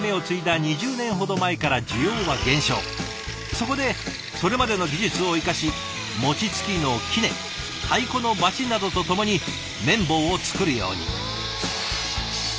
そこでそれまでの技術を生かし餅つきの杵太鼓のバチなどとともに麺棒を作るように。